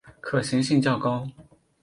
可行性较高